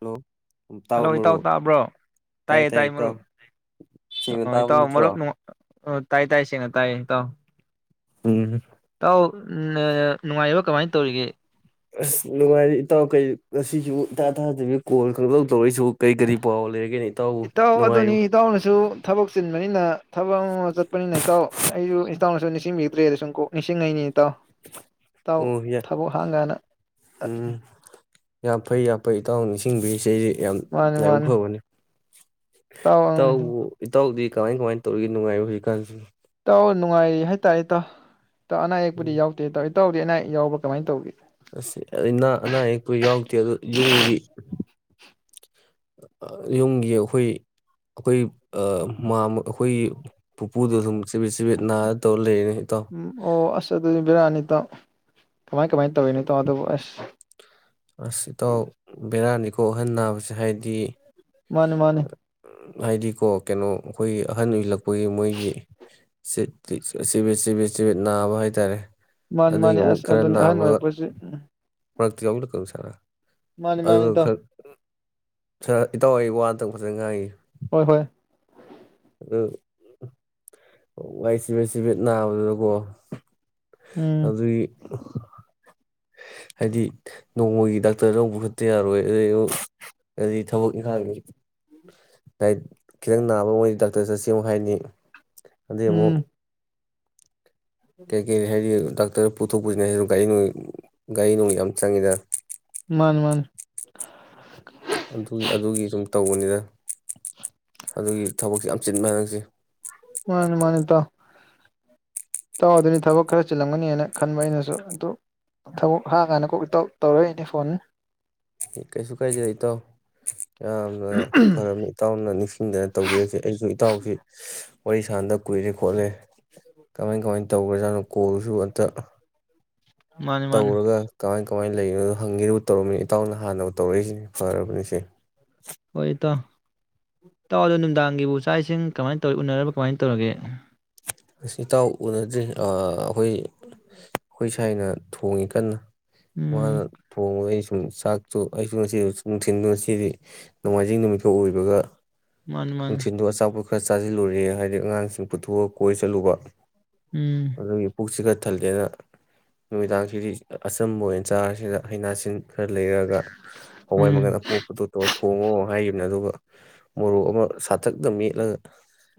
Hello hello ꯇꯥꯕ ꯏꯇꯥꯎ ꯃꯔꯨꯞ ꯇꯥꯕ꯭ꯔꯣ ꯇꯥꯏ ꯇꯥꯏꯌꯦ ꯇꯥꯏ ꯇꯥꯏꯌꯦ ꯃꯔꯨꯞ ꯏꯇꯥꯎ ꯁꯦꯡꯅ ꯇꯥꯕ ꯏꯇꯥꯎ ꯃꯔꯨꯞ ꯅꯠꯇ꯭ꯔꯣ ꯑꯣ ꯇꯥꯏ ꯇꯥꯏ ꯁꯤꯦꯡꯅ ꯇꯥꯏꯌꯦ ꯇꯥꯎ ꯎꯝ ꯎꯝ ꯅꯨꯡꯉꯥꯏꯕ ꯀꯃꯥꯏꯅ ꯇꯧꯔꯤꯒꯦ ꯑꯁ ꯅꯨꯡꯉꯥꯏꯔꯦ ꯏꯇꯥꯎ ꯀ ꯉꯁꯤꯁꯨ ꯏꯇꯥ ꯊꯥꯗꯕꯤ ꯀꯣꯜ ꯈꯪꯗꯧ ꯇꯧꯔꯛꯏꯁꯨ ꯀꯔꯤ ꯀꯔꯤ ꯄꯥꯎ ꯂꯩꯔꯒꯦꯅꯤ ꯏꯇꯧ ꯑꯗꯨꯅꯤ ꯏꯇꯧꯅꯁꯨ ꯊꯕꯛ ꯆꯤꯟꯕꯅꯤꯅ ꯊꯕꯛ ꯑꯃ ꯆꯠꯄꯅꯤꯅ ꯏꯇꯥꯎ ꯑꯩꯁꯨ ꯏꯇꯥꯎꯅꯁꯨ ꯅꯤꯡꯁꯤꯡꯕꯤꯗ꯭ꯔꯦꯗ ꯁꯨꯝ ꯀꯣꯛ ꯅꯤꯡꯁꯤꯡꯉꯛꯅꯤ ꯏꯇꯥꯎ ꯑꯣ ꯌꯥ ꯊꯕꯛ ꯍꯥꯡꯒꯥꯅ ꯎꯝ ꯌꯥꯝ ꯐꯩ ꯌꯥꯝꯐꯩ ꯏꯇꯥꯎ ꯅꯤꯡꯁꯤꯡꯕ ꯁꯤꯁ ꯌꯥꯝ ꯃꯥꯅꯤ ꯂꯥꯏꯕꯛ ꯃꯥꯅꯤ ꯐꯕꯅꯦ ꯏꯇꯥꯎ ꯏ ꯇꯥꯎ ꯏ ꯇꯥꯎꯗꯤ ꯀꯃꯥꯏ ꯀꯃꯥꯏ ꯇꯧꯔꯤꯒ ꯅꯨꯡꯉꯥꯏꯕ ꯍꯧꯖꯤꯛꯀꯥꯟꯁꯤ ꯍ ꯅꯨꯡꯉꯥꯏꯔꯤ ꯍꯥꯏꯇꯥꯔꯦ ꯇ ꯇ ꯑꯅꯥ ꯎꯝ ꯑꯌꯦꯛꯄꯗꯤ ꯌꯥꯎꯗꯦ ꯇꯧꯗ ꯑꯅꯥ ꯌꯥꯎꯕ꯭ꯔ ꯀꯃꯥꯏꯅ ꯇꯧꯒꯦ ꯑꯁꯤ ꯑꯩꯅ ꯑꯅꯥ ꯑꯌꯦꯛꯄꯨ ꯌꯥꯎꯛꯇꯦ ꯑꯗꯨ ꯌꯨꯝꯒꯤ ꯌꯨꯝꯒꯤ ꯑꯩꯈꯣꯏ ꯑꯩꯈꯣꯏ ꯑꯩꯈꯣꯏꯒꯤ ꯃꯥꯝꯃꯥ ꯄꯨꯄꯨꯗ ꯁꯨꯝ ꯆꯤꯕꯦꯠ ꯆꯤꯕꯦꯠ ꯅꯥꯔ ꯇꯧꯔ ꯂꯩꯔꯦꯅꯦ ꯏꯇꯥꯎ ꯎꯝ ꯑꯣ ꯑꯁ ꯑꯗꯨ ꯕ‌ꯦꯔꯅꯤ ꯏꯇꯥꯎ ꯀꯃꯥꯏ ꯀꯃꯥꯏ ꯇꯧꯋꯅꯤꯇꯣ ꯑꯗꯨꯕꯨ ꯑꯁ ꯑꯁ ꯏꯇꯥꯎ ꯕꯦꯔꯥ ꯅꯤ ꯀꯣ ꯑꯥꯍꯟ ꯅꯥꯕꯁꯦ ꯍꯥꯏꯗꯤ ꯃꯥꯅꯦ ꯃꯥꯅꯦ ꯍꯥꯏꯗꯤꯀꯣ ꯀꯩꯅꯣ ꯑꯩꯈꯣꯏꯒꯤ ꯑꯍꯟ ꯑꯣꯏꯂꯛꯄꯒꯤ ꯃꯣꯏꯒꯤꯕꯦꯠ ꯆꯦꯕꯦꯠ ꯆꯕꯦꯠ ꯅꯥꯕ ꯍꯥꯏꯇꯥꯔꯦ ꯃꯥꯅꯤ ꯑꯗꯒꯤ ꯃꯥꯅꯤ ꯑꯃꯨꯛ ꯑꯁ ꯈꯔ ꯑꯗꯨꯅꯤ ꯑꯍꯟ ꯅꯥꯕꯒ ꯑꯣꯏꯔꯛꯄꯁꯤ ꯎꯝ ꯃꯔꯛꯇ ꯌꯥꯎ ꯂꯛ ꯈꯔꯥ ꯕ ꯁꯔꯥ ꯃꯥꯅꯤ ꯑꯗꯨꯒ ꯏꯇꯥꯎ ꯈ ꯈ ꯏꯇꯥꯎ ꯋꯥꯗ ꯐꯖ ꯉꯥꯡꯏ ꯍꯣꯏ ꯍꯣꯏ ꯎꯝ ꯑꯣ ꯋꯥꯏ ꯁꯤꯐꯦꯠ ꯁꯤꯕꯦꯠ ꯅꯥꯕꯗꯨꯗꯀꯣ ꯎꯝ ꯑꯗꯨꯒꯤ [unintelligible] ꯍꯥꯏꯗꯤ ꯅꯣꯡꯃꯒꯤ ꯗꯥꯛꯇꯔꯗ ꯄꯨꯈꯠꯇꯥ ꯌꯥꯔ‌ꯣꯏ ꯑꯗꯨꯒꯤ ꯍꯥꯏꯗꯤ ꯊꯕꯛ ꯏꯪꯈꯥꯡꯒꯤ ꯍꯥꯏ ꯈꯤꯇꯪ ꯅꯥꯕ ꯃꯣꯏꯗꯤ ꯗꯥꯛꯇꯔ ꯆꯠꯁ‌ꯦꯃꯨꯛ ꯍꯥꯏꯅꯤ ꯑꯗꯩ ꯑꯃꯨꯛ ꯎꯝ ꯀꯗꯒꯤꯩ ꯍꯥꯏꯦꯗꯤ ꯗ ꯗꯣꯛꯇꯔ ꯄꯨꯊꯣꯛ ꯄꯨꯁꯤꯅꯦ ꯍꯥꯏꯁꯤ ꯒꯥꯔꯤ ꯅꯣꯡꯩ ꯒꯥꯔꯤ ꯅꯣꯡꯩ ꯌꯥꯝ ꯆꯪꯉꯤꯗ ꯃꯥꯅꯤ ꯃꯥꯅꯤ ꯑꯗꯨꯒꯤ ꯑꯗꯨꯒꯤ ꯁꯨꯝ ꯇꯧꯕꯅꯤꯅ ꯑꯗꯨꯒꯤ ꯊꯕꯛꯁ ꯌꯥꯝ ꯆꯤꯤꯟꯕ ꯍꯥꯏꯔꯛꯁꯤ ꯃꯥꯅꯤ ꯃꯥꯅꯤ ꯇꯥꯎ ꯇꯥꯎ ꯑꯗꯨꯅꯤ ꯊꯕꯛ ꯈꯔ ꯆꯤꯜꯂꯝꯒꯅꯤꯅ ꯈꯟꯕ ꯑꯩꯅꯁꯨ ꯑꯗꯨ ꯊꯕꯛ ꯍꯥꯡ ꯀꯥꯟꯗ ꯀꯣꯛ ꯇꯧꯔꯛꯏꯅꯦ ꯐꯣꯟꯅꯤ ꯀꯩꯁꯨ ꯀꯥꯏꯖꯔ ꯏꯇꯣ ꯌꯥꯝꯅ ꯐꯝꯃꯤ ꯏꯇꯥꯎꯅ ꯅꯤꯡꯁꯤꯡꯗꯅ ꯇꯧꯕꯤꯔꯁꯦ ꯑꯩꯁꯨ ꯏꯇꯥꯎꯁꯤ ꯋꯥꯔꯤ ꯁꯥꯟꯅꯗ ꯀꯨꯏꯔꯦ ꯈꯣꯠꯂꯦ ꯀꯃꯥꯏ ꯀꯃꯥꯏꯅ ꯇꯧꯈ꯭ꯔꯥꯖꯥꯠꯅꯣ ꯀꯣꯜꯁꯨ ꯑꯝꯇ ꯃꯥꯅꯤ ꯃꯥꯅꯤ ꯇꯧꯔꯒ ꯀꯃꯥꯏꯧ ꯀꯃꯥꯏꯅ ꯂꯩꯔꯤꯅꯣꯗꯣ ꯍꯪꯒꯤꯨ ꯇꯧꯔꯃꯤꯅꯤꯅ ꯏꯇꯥꯎꯅ ꯍꯥꯟꯅ ꯇꯧꯔꯛꯏꯁꯤꯅꯦ ꯐꯔꯕꯅꯤ ꯁꯤꯦ ꯍꯣꯏ ꯇꯥꯎ ꯇꯥꯎꯗꯣ ꯅꯨꯡꯗꯥꯡꯒꯤꯕꯨ ꯏ ꯆꯥꯛ ꯏꯁꯤꯡ ꯀꯃꯥꯏꯅ ꯇꯧ ꯎꯅꯔꯕ ꯀꯃꯥꯏꯅ ꯇꯧꯔꯒꯦ ꯑꯁꯤ ꯏꯇꯥꯎ ꯎꯅꯗ꯭ꯔꯤ ꯑꯥ [unintelligible] ꯊꯥꯏꯅ ꯊꯣꯡꯉꯤ ꯀꯟꯅ ꯎꯝ ꯃꯥꯅ ꯊꯣꯪꯕꯩ ꯁꯨꯝ ꯆꯥꯛꯇꯣ ꯑꯩꯁꯨ ꯉꯁꯤ ꯅꯨꯡꯊꯤꯟꯗꯨ ꯉꯁꯤꯗꯤ ꯅꯣꯡꯃꯥꯏꯖꯤꯡ ꯅꯨꯃꯤꯊꯧꯣꯛ ꯑꯣꯏꯕꯒ ꯃꯥꯅꯤ ꯃꯥꯅꯤ ꯅꯨꯡꯊꯤꯟꯗꯨ ꯑꯁ ꯈꯔ ꯆꯥꯁꯤꯜꯂꯨꯔꯦ ꯍꯥꯏꯗꯤ ꯑꯉꯥꯡꯁꯤꯡ ꯄꯨꯊꯣꯛꯑꯒ ꯀꯣꯏ ꯆꯠꯂꯨꯕ ꯎꯝ ꯑꯗꯨ ꯄꯨꯁꯤ ꯊꯜꯂꯦꯅ ꯅꯨꯃꯤꯗꯥꯡꯁꯤꯗꯤ ꯑꯆꯝꯕ ꯑꯣꯏꯅ ꯆꯥꯔꯁꯤꯗ ꯍꯩꯅꯥꯁꯤꯡ ꯈꯔ ꯂꯩꯔꯒ ꯍꯋꯥꯏ ꯎꯝ ꯃꯪꯒꯜ ꯑꯄꯣꯛꯄꯗꯨꯣ ꯇꯣ ꯊꯣꯡꯉꯣ ꯍꯥꯏꯈꯤꯕꯅꯦ ꯑꯗꯨꯒ ꯃꯣꯔꯣꯛ ꯑꯃ ꯁꯥꯊꯛꯇ ꯃꯦꯠꯂꯒ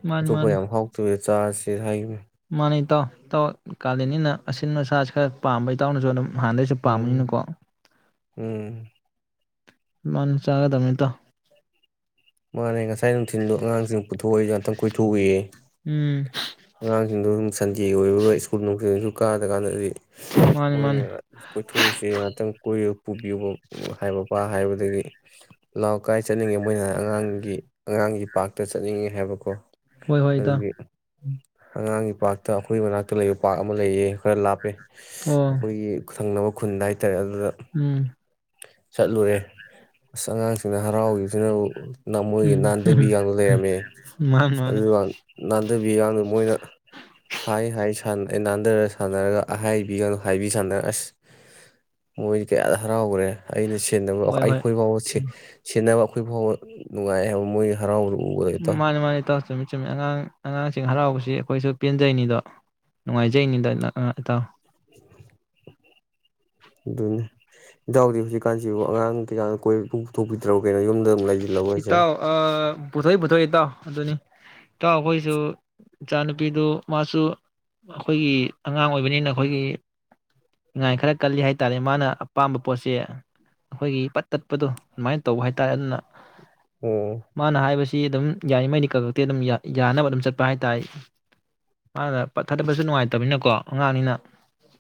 ꯃꯥꯅꯤ ꯑꯇꯣꯞꯄ ꯃꯥꯅꯤ ꯌꯥꯝ ꯍꯥꯎꯇꯋꯦ ꯆꯥꯔꯖ [unintelligible] ꯃꯥꯅꯤ ꯏ ꯇꯥꯎ ꯏꯇꯥꯎ ꯀꯥꯂꯅꯤꯅ ꯑꯁꯤꯟ ꯃꯁꯁꯤ ꯈꯔ ꯄꯥꯝꯕꯩ ꯏꯇꯥꯎꯅꯁꯨ ꯑꯗꯨꯝ ꯍꯥꯟꯅꯗꯩꯁꯨ ꯎꯝ ꯄꯥꯝꯝꯕꯅꯤꯅꯀꯣ ꯎꯝ ꯃꯥꯅ ꯆꯥꯒꯗꯃꯤꯇ ꯃꯅ‌ꯦꯉꯁ ꯊꯥꯏ ꯅꯨꯡꯊꯤꯟꯗꯣ ꯑꯉꯥꯡꯁꯤꯡ ꯄꯨꯊꯣꯛꯎꯏꯎꯅꯤ ꯈꯤꯇꯪ ꯀꯣꯏꯊꯣꯛꯎꯏꯌꯦ ꯎꯝ ꯁꯟꯗꯦꯒꯤ ꯑꯣꯏꯒ ꯁ꯭ꯀꯨꯜ ꯅꯨꯡꯊꯤꯡꯁꯨ ꯀꯥꯗꯀꯥꯟꯗꯗꯤ ꯃꯥꯅꯤ ꯃꯣꯏꯅ ꯃꯥꯅꯤ ꯀꯣꯏꯊꯣꯛꯁꯦ ꯉꯥꯛꯇꯪ ꯀ ꯄꯨꯕꯤꯌꯨꯕ ꯍꯥꯏꯕꯕꯥ ꯍꯥꯏꯕꯗꯒꯤ ꯂ ꯀꯥꯏ ꯆꯠꯅꯤꯡꯉꯦ ꯃꯣꯏꯅ ꯑꯉꯥꯡꯒꯤ ꯑꯉꯥꯡꯒꯤ ꯄꯥꯛꯔꯇ ꯆꯠꯅꯤꯡꯉꯦ ꯍꯥꯏꯕꯀꯣ ꯍꯣꯏ ꯍꯣꯏ ꯏꯇꯥꯎ ꯑꯗꯨꯒꯤ ꯑꯉꯥꯡꯒꯤ ꯄꯥꯛꯇ ꯑꯩꯈꯣꯏꯒꯤ ꯃꯅꯥꯛꯇ ꯂꯩꯕ ꯄꯥꯛ ꯑꯃ ꯂꯩꯌꯦ ꯈꯔ ꯂꯥꯞꯄꯦ ꯑꯣ ꯑꯩꯈꯣꯏꯒꯤ ꯊꯪꯅꯕ ꯈꯨꯟꯗꯥꯥꯏ ꯔꯦ ꯑꯗꯨꯗ ꯎꯝ ꯆꯠꯂꯨꯔꯦ ꯑꯁ ꯑꯉꯥꯡ ꯅ ꯍꯔꯥꯎꯈꯤꯕꯁꯤꯅ ꯃꯣꯏꯒꯤ ꯎꯝ ꯅꯥꯟꯊꯕꯤꯒꯗ ꯂꯩꯔꯝꯃꯦ ꯃꯥꯅꯤ ꯃꯥꯅꯤ ꯑꯗꯨꯒ ꯅꯥꯟꯊꯕꯤꯒꯗ ꯃꯣꯏꯅ ꯍꯥꯏ ꯍꯥꯏ ꯅꯥꯟꯊꯔꯒ ꯁꯥꯟꯅꯔꯒ ꯑꯍꯥꯏꯕꯤꯒꯅꯨ ꯍꯥꯏꯕꯤ ꯁꯥꯟꯅꯔ ꯑꯁ ꯃꯣꯏꯗꯤ ꯀꯌꯥꯗ ꯍꯔꯥꯎꯈ꯭ꯔꯦ ꯑꯩꯅꯟꯅꯕ ꯍꯣꯏ ꯍꯣꯏ ꯑꯩꯈꯣꯏ ꯐꯥꯎꯕ ꯁꯦꯟꯅꯕ ꯑꯩꯈꯣꯏ ꯐꯥꯎꯕ ꯅꯨꯡꯉꯥꯏ ꯍꯥꯏꯕ ꯃꯣꯏ ꯍꯔꯥꯎꯕꯗ ꯎꯕꯗ ꯏꯇꯥꯎ ꯃꯥꯅꯦ ꯃꯥꯅꯦ ꯇ ꯇꯃꯤ ꯆꯨꯝꯃꯤ ꯑꯉꯥꯡ ꯑꯉꯥꯡꯁꯤꯡ ꯍꯔꯥꯎꯕꯁꯤ ꯑꯩꯈꯣꯏꯁꯨ ꯄꯦꯟꯖꯩꯅꯤꯗꯣ ꯅꯨꯡꯉꯥꯏꯖꯩꯅꯤꯗ ꯏꯇꯥꯎ ꯑꯗꯨꯅꯦ ꯏꯇꯎꯗꯤ ꯍꯧꯖꯤꯛꯀꯥꯟꯁꯤꯕꯨ ꯑꯉꯥꯡ ꯀꯩꯀꯅꯣꯏ ꯄꯨꯊꯣꯛꯄꯤꯗ꯭ꯔꯕ ꯀꯩꯅꯣ ꯌꯨꯝꯗ ꯑꯗꯨꯝ ꯂꯩꯁꯤꯜꯂꯕꯣ ꯍꯥꯏꯁꯦ ꯏꯇꯥꯎ ꯄꯨꯊꯣꯛꯏ ꯄꯨꯊꯣꯛꯏ ꯏꯇꯥꯎ ꯑꯗꯨꯅꯤ ꯏꯇꯥꯎ ꯑꯩꯈꯣꯏꯁꯨ ꯏꯆꯥꯅꯨꯄꯤꯗꯨ ꯃꯥꯁꯨ ꯑꯩꯈꯣꯏꯒꯤ ꯑꯉꯥꯡ ꯑꯣꯏꯕꯅꯤꯅ ꯑꯩꯈꯣꯏꯒꯤ ꯏꯉꯥꯏ ꯈꯔ ꯀꯜꯂꯤ ꯍꯥꯏꯇꯥꯔꯦ ꯃꯥꯅ ꯑꯄꯥꯝꯕ ꯄꯣꯠꯁꯦ ꯑꯩꯈꯣꯏꯒꯤ ꯄꯠ ꯇꯠꯄꯗꯣ ꯑꯗꯨꯃꯥꯏꯅ ꯇꯧꯕ ꯍꯥꯏꯇꯥꯔꯦ ꯑꯗꯨꯅ ꯑꯣ ꯃꯥꯅ ꯍꯥꯏꯕꯁ ꯁꯤ ꯑꯗꯨꯝ ꯌꯥꯔꯤꯉꯩꯗꯤ ꯀꯛ ꯈꯛꯇꯦ ꯑꯗꯨꯝ ꯌꯥꯅꯕ ꯑꯗꯨꯝ ꯆꯠꯄ ꯍꯥꯏꯇꯥꯔꯦ ꯃꯥꯅ ꯄꯠ ꯊꯥꯗꯕꯁꯨ ꯅꯨꯡꯉꯥꯏꯇꯕꯅꯤꯅꯀꯣ ꯑꯉꯥꯡꯅꯤꯅ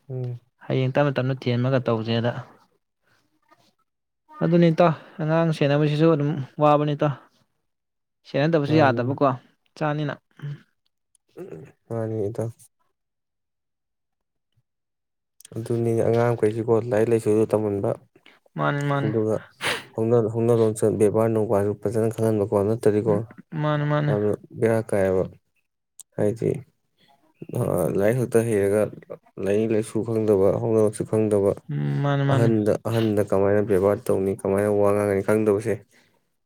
ꯎꯝ ꯍꯌꯦꯡ ꯇꯞꯅ ꯇꯞꯅ ꯊꯦꯟꯃꯒ ꯇꯧꯖꯦꯗ ꯑꯗꯨꯅꯤꯇꯣ ꯑꯉꯥꯡ ꯁꯦꯟꯅꯕꯁꯤꯁꯨ ꯋꯥꯕꯅꯤꯇ ꯁꯦꯟꯅꯗꯕꯁꯨ ꯃꯥꯅꯤ ꯌꯥꯗꯕꯀꯣ ꯆꯥꯅꯤꯅ ꯋꯥꯅꯤꯗ ꯑꯗꯨꯅꯤꯅꯦ ꯑꯉꯥꯡꯈꯩꯁꯤꯀꯣ ꯂꯥꯏꯔꯤꯛ ꯂꯥꯏꯁꯨꯁꯨ ꯇꯝꯍꯟꯕ ꯃꯥꯅꯤ ꯃꯥꯅꯤ ꯑꯗꯨꯒ ꯍꯣꯡꯅꯅꯨ ꯦꯕꯥꯔꯅ ꯀꯣ ꯅꯠꯇꯗꯤꯀꯣ ꯎꯝ ꯃꯥꯅꯤ ꯃꯥꯅꯤ ꯌꯥꯝꯅ ꯕꯔ ꯑꯀꯥꯏꯕ ꯍꯥꯏꯗꯤ ꯂꯥꯏꯔꯤ ꯈꯛꯇ ꯍꯩꯔꯒ ꯂꯥꯏꯅꯤꯡ ꯂꯥꯏꯁꯨ ꯈꯪꯗꯕ ꯍꯧ ꯈꯪꯗꯕ ꯎꯝ ꯃꯥꯅꯤ ꯃꯥꯅꯤ ꯑꯍꯟꯗ ꯑꯍꯟꯗ ꯀꯃꯥꯏꯅ ꯕꯦꯕꯥꯔ ꯇꯧꯅꯤ ꯀꯃꯥꯏꯅ ꯋꯥ ꯉꯥꯡꯒꯅꯤ ꯈꯪꯗꯕꯁꯦ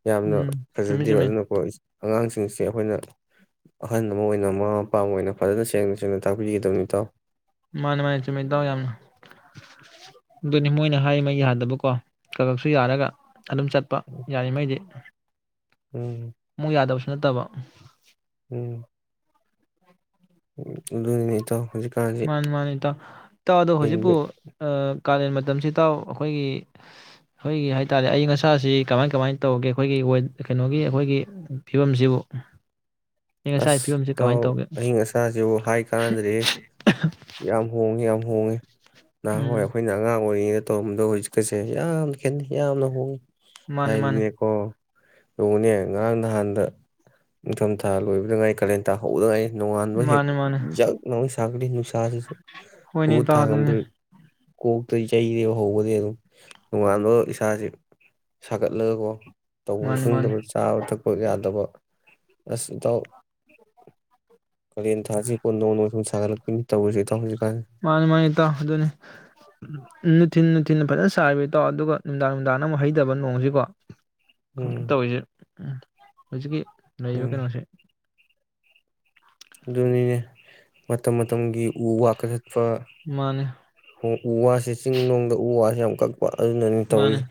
ꯌꯥꯝꯅ ꯎꯝ ꯆꯨꯝꯃꯤ ꯐꯖꯗꯦꯕ ꯆꯨꯝꯃꯤ ꯑꯗꯨꯅꯀꯣ ꯑꯉꯥꯡꯁꯤꯡꯁꯦ ꯑꯩꯈꯣꯏꯅ ꯑꯍꯟ ꯑꯃ ꯑꯣꯏꯅ ꯃꯃꯥ ꯃꯄꯥ ꯑꯃ ꯑꯣꯏꯅ ꯐꯖꯅ ꯁꯦꯡꯅ ꯁꯦꯡꯅ ꯇꯥꯛꯄꯤꯒꯗꯕꯅꯤ ꯇꯥꯎ ꯃꯥꯅꯦ ꯃꯥꯅꯦ ꯆꯨꯝꯃꯤ ꯏ ꯇꯥꯎ ꯌꯥꯝꯅ ꯑꯗꯨꯅꯤ ꯃꯣꯏꯅ ꯍꯥꯏꯔꯤ ꯃ ꯌꯥꯗꯕꯀꯣ ꯀꯀꯛꯁꯨ ꯌꯥꯔꯒ ꯑꯗꯨꯝ ꯆꯠꯄ ꯌꯥꯔꯤꯉꯩꯗꯤ ꯎꯝ ꯑꯃꯨꯛ ꯌꯥꯗꯕꯁꯨ ꯅꯠꯇꯕ ꯎꯝ ꯎ ꯑꯗꯨꯅꯤꯇ ꯃꯥꯅꯤ ꯃꯥꯅꯤ ꯏꯇꯥꯎ ꯇꯥꯎꯗꯣ ꯍꯧꯖꯤꯛꯄꯨ ꯍꯤꯡꯕ ꯑ ꯀꯥꯂꯦꯟ ꯃꯇꯝꯁꯤꯇꯥꯎ ꯑꯩꯈꯣꯏꯒꯤ ꯑꯩꯈꯣꯏꯒꯤ ꯍꯥꯏ ꯇꯥꯔꯦ ꯑꯏꯪ ꯑꯁꯥꯁꯤ ꯀꯃꯥꯏ ꯀꯃꯥꯏ ꯇꯧꯒꯦ ꯑꯩꯈꯣꯏꯒꯤ ꯀꯩꯅꯣꯒꯤ ꯑꯩꯈꯣꯏꯒꯤ ꯐꯤꯕꯝꯁꯤꯕꯨ ꯑꯏꯪ ꯑꯁꯥꯒꯤ ꯑꯁ ꯐꯤꯕꯝꯁꯤ ꯇꯥꯎ ꯀꯃꯥꯏꯅ ꯇꯧꯒꯦ ꯑꯌꯤꯡ ꯑꯁꯁꯤꯕꯨ ꯍꯥꯏ ꯀꯥꯟꯗ꯭ꯔꯦ ꯌꯥꯝ ꯍꯣꯡꯉꯦ ꯌꯥꯝ ꯍꯣꯡꯉꯦ ꯅꯍꯥꯟꯋꯥꯏ ꯎꯝ ꯑꯩꯈꯣꯏꯅ ꯑꯉꯥꯡ ꯑꯣꯏꯉꯅ ꯇꯧꯔꯝꯕꯗꯣ ꯍꯧꯖꯤꯛꯀꯁꯦ ꯌꯥꯝꯅ ꯈꯦꯠꯅꯩ ꯌꯥꯝꯅ ꯍꯣꯡꯉꯤ ꯃꯥꯅꯤ ꯃꯥꯅꯤ ꯍꯥꯏꯗꯤꯀꯣ ꯂꯅꯦ ꯉꯔꯥꯡ ꯅꯍꯥꯟꯗ ꯅꯤꯡꯊꯝꯊꯥ ꯂꯣꯏꯕꯗꯉꯥꯏ ꯀꯥꯂꯦꯟ ꯇꯥ ꯍꯧꯕꯗꯉꯥꯏ ꯅꯣꯉꯥꯟꯕ ꯃꯥꯅꯦ ꯃꯥꯅꯦ ꯍꯦꯛꯖꯥꯛ ꯆ ꯁꯥꯁꯤ ꯄꯨ ꯍꯣꯏꯅꯦ ꯏꯇꯥꯎ ꯇꯥꯉꯝꯗ ꯑꯗꯨꯅꯦ ꯀꯣꯛꯇꯔꯤ ꯆꯩꯔꯦꯕ ꯍꯧꯕꯗꯤ ꯑꯗꯨꯝ ꯇꯣꯉꯥꯟꯕ ꯏꯁꯥꯁꯦ ꯁꯥꯒꯠꯂꯒꯀꯣ ꯇꯧꯐꯝ ꯃꯥꯅꯤ ꯃꯥꯅꯤ ꯈꯪꯗꯕ ꯆꯥꯕ ꯊꯛꯄ ꯌꯥꯗꯕ ꯑꯁ ꯇ ꯀ ꯊꯁꯤꯦꯣꯟ ꯅꯧ ꯋꯥ ꯁꯒꯥꯏ ꯂ ꯄ ꯇꯧꯕ ꯃꯥꯅꯤ ꯃꯥꯅꯤ ꯇ ꯑꯗꯨꯅꯤ ꯊꯤꯟꯅ ꯊꯤꯟꯅ ꯐꯖꯅ ꯁꯥꯔꯤꯕꯩ ꯇꯧ ꯑꯗꯨꯒ ꯅꯨꯡꯗꯥꯡ ꯅꯨꯡꯗꯥꯡ ꯑꯃꯨꯛ ꯍꯩꯇꯕ ꯅꯣꯡꯁꯤꯀꯣ ꯍꯧꯖꯤꯛꯇ ꯎꯝ ꯇꯧꯔꯤꯁꯦ ꯎꯝ ꯍꯧꯖꯤꯀꯤ ꯂꯕ ꯎꯝ ꯀꯩꯅꯣꯁꯦ ꯑꯗꯨꯅꯤꯅ ꯃꯇꯝ ꯃꯇꯝꯒꯤ ꯎ ꯋꯥ ꯀꯊ ꯃꯥꯅꯦ ꯎ ꯋꯥꯁꯤꯦ ꯆꯤꯡ ꯅꯨꯡꯗ ꯎ ꯋꯥ ꯍ ꯑꯃꯨꯛ ꯑꯗꯨꯅꯅꯤ ꯃꯥꯅꯦ ꯇꯧꯔꯤꯁ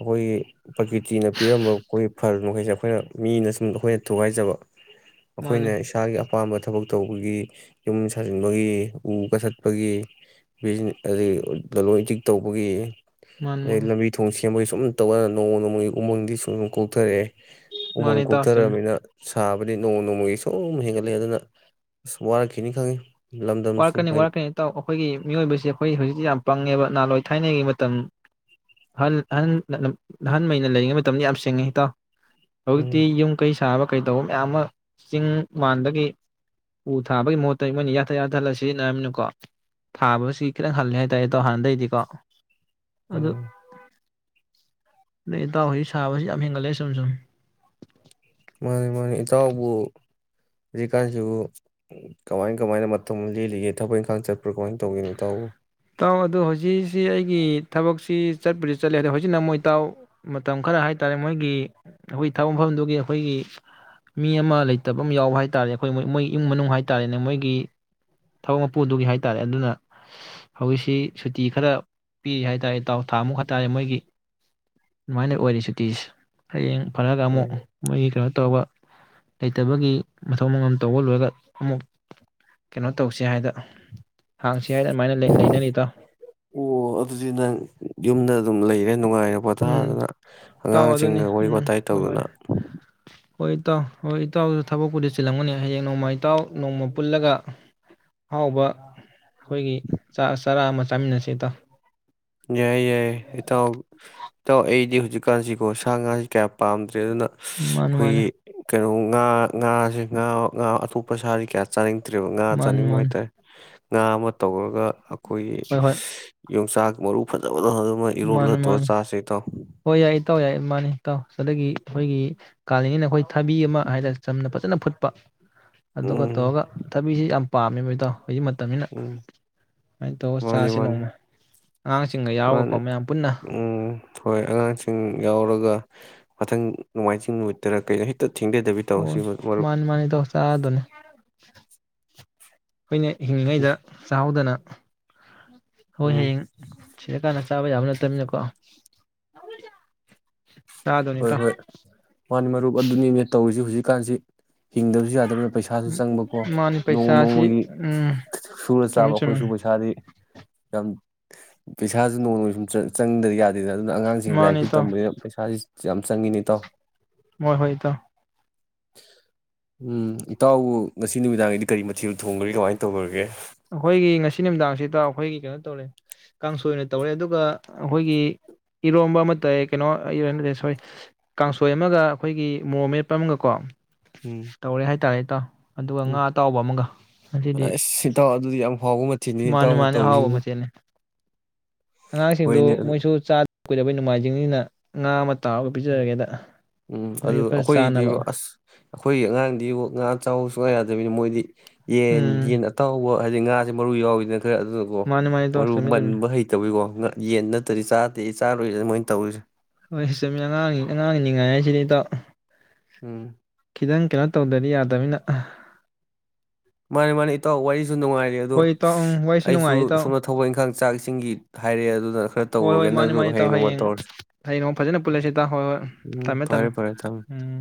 ꯑꯈꯣꯏꯒꯤ ꯄ꯭ꯔꯀꯤꯇꯤꯅ ꯄꯤꯔꯝꯕ ꯑꯩꯈꯣꯏ ꯐꯜ ꯃꯈꯩꯁꯦ ꯑꯩꯈꯣꯏꯅ ꯃꯤꯅ ꯁꯨꯝ ꯑꯈꯣꯏꯅ ꯊꯨꯒꯥꯏꯖꯕ ꯃꯥꯅꯦ ꯑꯈꯣꯏꯅ ꯏꯁꯥꯒꯤ ꯑꯄꯥꯝꯕ ꯊꯕꯛ ꯇꯧꯕꯒꯤ ꯌꯨꯝ ꯁꯥꯖꯤꯟꯕꯒꯤ ꯎ ꯀꯊꯠꯄꯒꯤ ꯑꯗꯒꯤ ꯂꯂꯣꯟ ꯏꯇꯤꯛ ꯇꯧꯕꯒꯤ ꯃꯥꯅꯤ ꯂꯩ ꯃꯥꯅꯤ ꯂꯝꯃꯤ ꯊꯣꯡꯁꯤ ꯁꯦꯝꯕꯒꯤ ꯁꯨꯝ ꯇꯧꯀꯥꯟꯗ ꯅꯣꯡꯃ ꯅꯣꯡꯃꯒꯤ ꯎꯃꯪꯗꯤ ꯁꯨꯝ ꯀꯣꯛꯊꯔꯛꯑꯦ ꯃꯥꯅꯤ ꯎꯃꯪ ꯏꯇꯥꯎ ꯆꯨꯝꯃꯤ ꯀꯣꯛꯊꯔꯛꯑꯝꯃꯤꯅ ꯁꯥꯕꯗꯤ ꯅꯣꯡꯃ ꯅꯣꯡꯃꯒꯤ ꯁꯨꯝ ꯍꯦꯟꯒꯠ ꯂꯩ ꯑꯗꯨꯅ ꯁꯨꯝ ꯋꯥꯔꯛꯈꯤꯅꯤ ꯈꯪꯉꯤ ꯂꯝꯗꯝꯁꯤ ꯋꯥꯔꯛꯀꯅꯤ ꯃꯣꯏꯅ ꯋꯥꯔꯛꯀꯅꯤ ꯏꯇꯥꯎ ꯑꯈꯣꯏꯒꯤ ꯃꯤꯑꯣꯏꯕꯁꯤ ꯑꯈꯣꯏ ꯍꯧꯖꯤꯛꯇꯤ ꯌꯥꯝ ꯄꯪꯉꯦꯕ ꯅꯍꯥꯟꯋꯥꯏ ꯊꯥꯏꯅꯒꯤ ꯃꯇꯝ ꯑꯍꯜ ꯑꯍꯟ [unintelligible] ꯂꯩꯔꯤꯉꯩ ꯃꯇꯝꯗ ꯌꯥꯝ ꯁꯤꯡꯉꯤ ꯏꯇꯥꯎ ꯍꯧꯛꯇꯤ ꯎꯝ ꯌꯨꯝ ꯀꯩ ꯁꯥꯕ ꯀꯩꯇꯧꯕ ꯃꯌꯥꯝ ꯑꯃ ꯆꯤꯡ ꯃꯥꯟꯗꯒꯤ ꯎ ꯊꯥꯕꯒꯤ ꯃꯍꯨꯠꯇ ꯃꯣꯏꯅ ꯌꯥꯟꯊꯠ ꯌꯥꯊꯠꯂ ꯁꯤꯖꯤꯟꯅꯔꯝꯅꯤꯅꯀꯣ ꯊꯥꯕꯒꯁꯤ ꯈꯤꯇꯪ ꯍꯜꯂꯦ ꯍꯥꯏꯇꯥꯔꯦ ꯏꯇꯥꯎ ꯍꯥꯟꯅꯗꯩꯗꯤꯀꯣ ꯑꯗꯨ ꯎꯝ ꯏꯇꯥꯎ ꯍꯧꯖꯤꯛ ꯁꯥꯕꯁꯤ ꯌꯥꯝ ꯍꯦꯟꯒꯠꯂꯦ ꯁꯨꯝ ꯁꯨꯝ ꯃꯥꯅꯦ ꯏꯇꯥꯎꯕꯨ ꯍꯧꯖꯤꯛꯀꯥꯟꯁꯤꯕꯨ ꯀꯃꯥꯏ ꯀꯃꯥꯏꯅ ꯃꯇꯝ ꯂꯦꯜꯂꯤꯒꯦ ꯊꯕꯛ ꯏꯪꯈꯥꯡ ꯆꯠꯄ꯭ꯔꯥ ꯀꯃꯥꯏꯅ ꯇꯧꯒꯦ ꯏꯇꯥꯎꯕꯨ ꯇꯥꯎ ꯑꯗꯣ ꯍꯧꯖꯤꯛꯁꯤ ꯑꯩꯒꯤ ꯊꯕꯛꯁꯤ ꯆꯠꯄꯗꯤ ꯆꯠꯂꯦ ꯑꯗꯣ ꯍꯧꯖꯤꯛꯅ ꯃꯣꯏꯇꯥꯎ ꯃꯇꯝ ꯈꯔ ꯍꯥꯏꯇꯥꯔꯦ ꯃꯣꯏꯒꯤ ꯑꯩꯈꯣꯏꯒꯤ ꯊꯕꯛ ꯃꯐꯝꯗꯨꯒꯤ ꯑꯩꯈꯣꯏꯒꯤ ꯃꯤ ꯑꯃ ꯂꯩꯇꯕ ꯑꯃ ꯌꯥꯎꯕ ꯍꯥꯏꯇꯥꯥꯔꯦ ꯑꯈꯣꯏ ꯃꯣꯏ ꯏꯃꯨꯡ ꯃꯅꯨꯡ ꯍꯥꯏꯇꯥꯥꯔꯦ ꯃꯣꯏꯒꯤ ꯊꯕꯛ ꯃꯄꯨꯗꯨꯒꯤ ꯍꯥꯏꯇꯥꯔꯦ ꯑꯗꯨꯅ ꯍꯧꯖꯤꯛꯁꯤ ꯁꯨꯇꯤ ꯈꯔ ꯄꯤꯔꯤ ꯍꯥꯏꯇꯥꯔꯦ ꯏꯇꯥꯎ ꯊꯥꯃꯨꯛ ꯍꯥꯏꯇꯥꯥꯔꯦ ꯃꯣꯏꯒꯤ ꯑꯗꯨꯃꯥꯏꯅ ꯑꯣꯏꯔꯦ ꯁꯨꯇꯤꯁꯦ ꯍꯌꯦꯡ ꯐꯔꯒ ꯑꯃꯨꯛ ꯎꯝ ꯃꯣꯏꯒꯤ ꯀꯩꯅꯣ ꯇꯧꯔꯒ ꯂꯩꯇꯕꯒꯤ ꯃꯊꯧ ꯃꯉꯝ ꯇꯧꯕ ꯂꯣꯏꯔꯒ ꯑꯃꯨꯛ ꯀꯩꯅꯣ ꯇꯧꯁꯦ ꯍꯥꯏꯗ [unintelligible] ꯂꯩ- ꯂꯩꯅꯔꯤ ꯏꯇꯥꯎ ꯑꯣ ꯑꯗꯨꯗꯤ ꯅꯪ ꯌꯨꯝꯗ ꯑꯗꯨꯝ ꯂꯩꯔꯦ ꯅꯨꯡꯉꯥꯏꯔ ꯎꯝ ꯄꯣꯊꯥꯗꯅ ꯏꯇꯥꯎ ꯑꯗꯨꯅꯤ ꯑꯉꯥꯡꯁꯤꯡꯒ ꯋꯥꯔꯤ ꯎꯝ ꯋꯥꯇꯥꯏ ꯍꯣꯏ ꯍꯣꯏ ꯇꯧꯗꯅ ꯍꯣꯏ ꯏꯇꯥꯎ ꯍꯣꯏ ꯏꯇꯥꯎꯁꯨ ꯊꯕꯛꯄꯨꯗꯤ ꯆꯤꯜꯂꯝꯒꯅꯤ ꯍꯌꯦꯡ ꯅꯣꯡꯃ ꯏꯇꯥꯎ ꯅꯣꯡꯃ ꯄꯨꯜꯂꯒ ꯑꯍꯥꯎꯕ ꯑꯈꯣꯏꯒꯤ ꯆꯔꯥ ꯑꯃ ꯆꯥꯃꯤꯟꯅꯁꯦ ꯏꯇꯥꯎ꯫ ꯌꯥꯏ - ꯌꯥꯏ ꯏꯇꯥꯎ ꯇꯥꯎ ꯑꯩꯗꯤ ꯍꯧꯖꯤꯛꯀꯥꯟꯁꯤꯀꯣ ꯁꯥ ꯉꯥꯁꯤ ꯀꯌꯥ ꯄꯥꯝꯗ꯭ꯔꯦ ꯑꯗꯨꯅ ꯃꯥꯅꯤ ꯃꯥꯅꯤ ꯑꯈꯣꯏꯒꯤ ꯀꯩꯅꯣ ꯉꯥ ꯉꯥꯁꯦ ꯉꯥ ꯉꯥ ꯑꯇꯣꯞꯄ ꯁꯥꯗꯤ ꯀꯌꯥ ꯆꯥꯅꯤꯡ ꯇ꯭ꯔꯦꯕ ꯉꯥ ꯃꯥꯅꯤ ꯆꯥꯅꯤꯡꯕ ꯃꯥꯅꯤ ꯍꯥꯏꯇꯥꯔꯦ꯫ ꯉꯥ ꯑꯃ ꯇꯧꯔꯒ ꯈꯣꯏ ꯍꯣꯏ ꯍꯣꯏ ꯌꯣꯡꯆꯥꯛ ꯃꯔꯨ ꯐꯖ ꯃꯥꯅꯤ- ꯃꯥꯅꯤ ꯍꯣꯏ ꯌꯥꯏ ꯏꯇꯥꯎ ꯌꯥꯏ ꯃꯥꯅꯤ ꯏ ꯇꯥꯎ ꯆꯗꯒꯤ ꯑꯩꯈꯣꯏꯒꯤ ꯀꯥꯜꯂꯤꯉꯩꯅ ꯑꯩꯈꯣꯏ ꯊꯥꯕꯤ ꯑꯃ ꯍꯥꯏꯔ ꯆꯝꯅ ꯐꯖꯅ ꯐꯨꯠꯄ ꯑꯗꯨꯒ ꯎꯝ ꯇꯧꯒ ꯊꯕꯤꯁꯤ ꯌꯥꯝ ꯄꯥꯝꯃꯦꯕ ꯃꯦꯕꯥ ꯏꯇꯥꯎ ꯍꯧꯖꯤꯛ ꯇꯝꯅꯤꯅꯥ ꯎꯝ ꯁꯨꯃꯥꯏꯅ ꯇꯧꯔ ꯃꯥꯅꯤ ꯆꯥꯁꯤꯦ ꯅꯣꯡꯃ ꯑꯉꯥꯡꯁꯤꯡꯒ ꯌꯥꯎꯔꯒ ꯎ ꯍꯣꯏ ꯑꯉꯥꯡꯁꯤꯡ ꯌꯥꯎꯔꯒ ꯃꯊꯪ ꯅꯣꯡꯃꯥꯏꯖꯤꯡ ꯅꯨꯃꯤꯠꯇꯔ ꯀꯩꯅꯣ ꯍꯛꯇ ꯍꯣꯏ ꯃꯥꯅꯤ - ꯃꯥꯅꯤ ꯏꯇꯥꯎ ꯆꯥꯔꯗꯧꯅꯤ ꯫ ꯑꯩꯈꯣꯏꯅ ꯍꯤꯡꯂꯤꯉꯩꯗ ꯆꯥꯛꯍꯥꯎꯗꯅ ꯍꯣꯏ ꯎꯝ ꯍꯌꯦꯡ ꯁꯤꯔ ꯀꯥꯟꯗ ꯆꯥꯕꯥ ꯌꯥꯕꯥ ꯅꯥꯠꯇꯝꯅꯤꯅꯥ ꯀꯑꯣ ꯫ ꯍꯣꯏ- ꯍꯣꯏ ꯃꯥꯅꯤ ꯃꯔꯨꯞ ꯑꯗꯨꯅꯤꯅꯦ ꯇꯧꯔꯤꯁꯤ ꯍꯧꯖꯤꯛ ꯀꯥꯟꯁꯤ ꯍꯤꯡꯗꯕꯁꯨ ꯌꯥꯗꯕꯅꯤꯅ ꯄꯩꯁꯥꯁꯨ ꯆꯪꯕꯀꯣ ꯃꯥꯅꯤ ꯅꯣꯡꯃ- ꯄꯩꯁꯥꯁꯤ ꯅꯣꯡꯃꯒꯤ ꯎꯝ ꯁꯨꯔ ꯆꯨꯝꯃꯤ ꯆꯥꯕ ꯆꯨꯝꯃꯤ ꯑꯩꯈꯣꯏꯁꯨ ꯄꯩꯁꯥꯗꯤ ꯌꯥꯝ [unintelligible] ꯄꯩꯁꯥꯁꯨ ꯅꯣꯡꯃ ꯁꯨꯝ ꯆꯠ ꯆꯪꯗ꯭ꯔꯌꯥ ꯑꯗꯨꯗ ꯑꯗꯨꯅ ꯑꯉꯥꯡꯁꯤꯡ ꯃꯥꯅꯤ ꯂꯥꯏꯔꯤꯛꯁꯨ ꯏꯇꯥꯎ ꯇꯝꯕꯅꯤꯅ ꯄꯩꯁꯥꯁꯤ ꯌꯥꯝ ꯆꯪꯉꯤꯅꯦ ꯏ ꯇꯥꯎ ꯍꯣꯏ ꯍꯣꯏ ꯇꯣ ꯎꯝ ꯏꯇꯥꯎꯕꯨ ꯉꯁꯤ ꯅꯨꯃꯤꯗꯥꯡꯒꯤꯗꯤ ꯀꯔꯤ ꯃꯊꯦꯜ ꯊꯣꯡꯈ꯭ꯔꯦ ꯀꯃꯥꯏꯅ ꯇꯧꯈ꯭ꯔꯒꯦ ꯑꯩꯈꯣꯏꯒꯤ ꯉꯁꯤ ꯅꯨꯃꯤꯗꯥꯡꯁꯤꯗ ꯑꯩꯈꯣꯏꯒꯤ ꯀꯩꯅꯣ ꯇꯧꯔꯦ ꯀꯥꯡꯁꯣꯏꯅ ꯇꯧꯔꯦ ꯑꯗꯨꯒ ꯑꯩꯈꯣꯏꯒꯤ ꯏꯔꯣꯝꯕ ꯑꯃ ꯇꯥꯏ ꯀꯩꯅꯣ ꯁꯣꯔꯤ ꯀꯥꯡꯁꯣꯏ ꯑꯃꯒ ꯑꯩꯈꯣꯏꯒꯤ ꯃꯣꯔꯣ ꯃꯦꯠꯄ ꯑꯃꯒ ꯀꯣ ꯎꯝ ꯇꯧꯔꯦ ꯍꯥꯏ ꯇꯔ ꯀꯨꯠꯇ ꯑꯗꯨꯒ ꯎꯝ ꯉꯥ ꯑꯇꯥꯎꯕ ꯑꯃꯒ ꯉꯁꯤꯗꯤ ꯑꯁ ꯏꯇꯥꯎ ꯑꯗꯨꯗꯤ ꯌꯥꯝ ꯍꯥꯎꯕ ꯃꯊꯦꯜꯅꯤ ꯃꯥꯅꯤ ꯏꯇꯥꯎꯅ ꯃꯥꯅꯤ ꯑꯍꯥꯎꯕ ꯇꯧꯔꯤꯁꯤꯕꯨ ꯃꯆꯦꯅꯤ ꯑꯉꯥꯡꯁꯤꯡꯗꯨ ꯍꯣꯏꯅꯦ ꯑꯗꯨ ꯃꯣꯏꯁꯨ ꯆꯥ ꯀꯨꯣꯏꯗ ꯑꯩ ꯅꯣꯡꯃꯥꯏꯖꯤꯡꯅꯤꯅ ꯉꯥ ꯇꯥꯒ ꯄꯤꯖꯔꯒꯦꯗ ꯎꯝ ꯑꯗꯨ ꯃꯣꯏꯁꯨ ꯈꯔ ꯑꯩꯈꯣꯏꯗꯤ ꯆꯥꯅꯕ ꯑꯁ ꯑꯩꯈꯣꯏꯒꯤ ꯑꯉꯥꯡꯗꯤ ꯉꯥ ꯆꯥꯎꯕ ꯁꯨꯡ ꯌꯥꯗꯦ ꯔꯔꯦꯟꯗ꯭ꯔ ꯃꯣꯗꯤ ꯌꯦꯟ ꯎꯝ ꯌꯦꯟ ꯑꯇꯥꯎꯕ ꯍꯥꯏ ꯑ ꯉꯥꯥꯁꯦ ꯃꯔꯨ ꯌꯥꯎꯋꯗꯅ ꯈꯔ ꯑꯗꯨꯅꯀꯣ ꯃꯥꯅꯤ ꯃꯥꯅꯤ ꯏꯇꯥꯎ ꯃꯔꯨ ꯆꯨꯝꯃꯤ ꯆꯨꯝꯃꯤ ꯃꯟꯕ ꯍꯩꯇꯕꯋꯀꯣ ꯌꯦꯟ ꯅꯠꯇ꯭ꯔꯗꯤ ꯆꯥꯗꯦ ꯆꯥꯔꯨꯏꯁꯦ ꯃꯣꯏꯅ ꯇꯧꯔꯤꯁꯦ ꯍꯣꯏ ꯏꯆꯝꯃꯤ ꯑꯉꯥꯡꯅꯤ ꯑꯉꯥꯡꯅꯤ ꯅꯤꯡꯉꯥꯏ ꯍꯥꯏꯁꯤꯗꯤꯗꯥꯎ ꯎꯝ ꯈꯤꯇꯪ ꯀꯩꯅꯣ ꯇꯧꯗꯔꯤ ꯇꯃꯤꯅ ꯃꯥꯅꯤ ꯃꯥꯅꯤ ꯏꯇꯥꯎ ꯋꯥꯔꯤꯁꯨ ꯅꯨꯡꯉꯥꯏꯔꯤ ꯑꯗꯣ ꯍꯣꯏ ꯏꯇꯥꯎ ꯎꯝ ꯋꯥꯔꯤꯁꯨ ꯑꯩꯁꯨ ꯅꯨꯡꯉꯥꯏ ꯏꯇꯥꯎ ꯁꯣꯝꯅ ꯊꯧꯕꯛꯅꯤ ꯈꯪꯗꯦ ꯆꯥꯛꯁꯤꯡꯒꯤ ꯍꯣꯏ ꯍꯣꯏ ꯃꯥꯅꯤ ꯃꯥꯅꯤ ꯇꯥꯑꯣ ꯅꯣꯡꯃ ꯍꯌꯦꯡ ꯇꯧꯔꯁꯤ ꯍꯌꯦꯡ ꯐꯖꯅ ꯄꯨꯜꯂꯁꯤ ꯇ ꯍꯣꯏ ꯍꯣꯏ ꯎꯝ ꯊꯝꯃꯦ ꯊꯝꯃꯦ ꯐꯔꯦ ꯐꯔꯦ ꯎꯝ